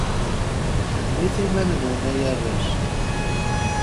Hennit iman-nwen, ay arrac.